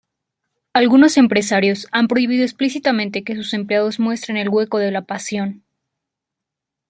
Algunos empresarios han prohibido explícitamente que sus empleados muestren el hueco de la pasión.